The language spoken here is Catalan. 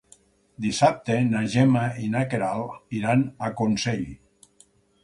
Dissabte na Gemma i na Queralt iran a Consell.